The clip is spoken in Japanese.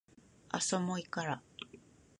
あっそもういいから